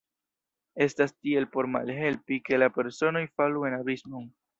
Estas tiel, por malhelpi, ke la personoj falu en abismon.